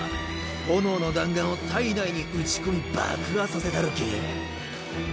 炎の弾丸を体内に撃ち込み爆破させたるけぇ。